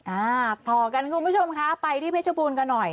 อ่าต่อกันคุณผู้ชมคะไปที่เพชรบูรณ์กันหน่อย